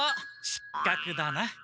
しっかくだな。